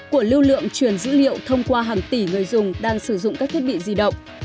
của lưu lượng truyền dữ liệu thông qua hàng tỷ người dùng đang sử dụng các thiết bị di động